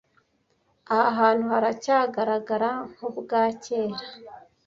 Aha hantu haracyagaragara nkubwa kera